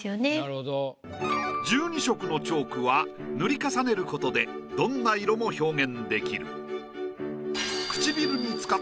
１２色のチョークは塗り重ねることでどんな色も表現できる。